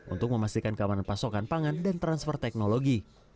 untuk memastikan keamanan pasokan pangan dan transfer teknologi